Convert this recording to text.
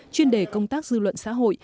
chuyên đề công tác dư luận xã hội